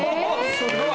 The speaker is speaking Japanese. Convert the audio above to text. すごい！